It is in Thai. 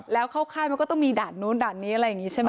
แล้วเข้าค่ายมันก็ต้องมีด่านโน้นด่านนี้